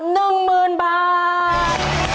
๑หมื่นบาท